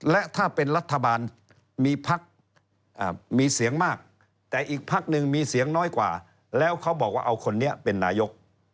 และถ้าเป็นรัฐบาลมีพักมีเสียงมากแต่อีกพักหนึ่งมีเสียงน้อยกว่าแล้วเขาบอกว่าเอาคนนี้เป็นนายก